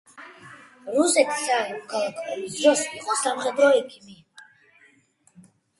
რუსეთის სამოქალაქო ომის დროს იყო სამხედრო ექიმი.